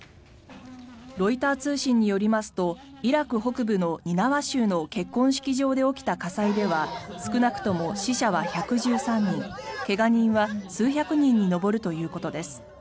ロイター通信によりますとイラク北部のニナワ州の結婚式場で起きた火災では少なくとも死者は１１３人怪我人は数百人に上るということです。